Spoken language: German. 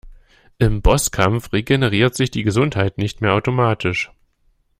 Im Bosskampf regeneriert sich die Gesundheit nicht mehr automatisch.